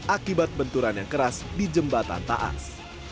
akibat benturan yang keras di jembatan taas